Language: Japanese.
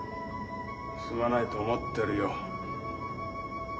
すまないと思ってるよ。